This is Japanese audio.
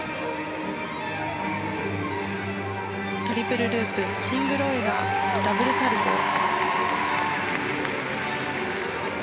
トリプルループシングルオイラーダブルサルコウ。